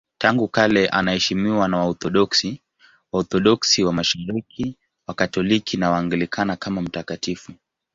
Tangu kale anaheshimiwa na Waorthodoksi, Waorthodoksi wa Mashariki, Wakatoliki na Waanglikana kama mtakatifu.